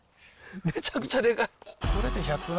めちゃくちゃでかい！